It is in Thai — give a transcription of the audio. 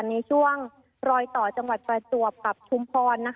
ในช่วงรอยต่อจังหวัดประจวบกับชุมพร